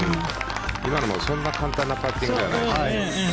今のもそんなに簡単なパッティングではない。